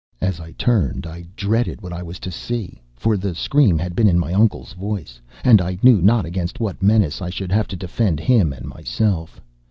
As I turned, I dreaded what I was to see; for the scream had been in my uncle's voice, and I knew not against what menace I should have to defend him and myself.